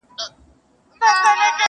جهاني به پر لکړه پر کوڅو د جانان ګرځي!